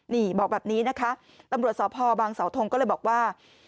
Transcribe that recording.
นี่บอกแบบนี้นะคะตำรวจสพบางสาวทงก็เลยบอกว่า